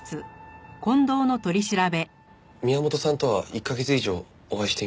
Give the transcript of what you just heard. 宮本さんとは１カ月以上お会いしていません。